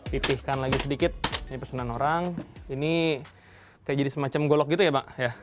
pipihkan lagi sedikit ini pesanan orang ini kayak jadi semacam golok gitu ya pak ya